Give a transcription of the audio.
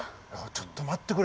ちょっと待ってくれ。